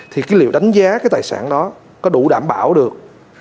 thì cái liệu đánh giá cái tài sản đó có đủ đảm bảo được